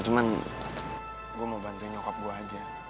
cuman gue mau bantuin nyokap gue aja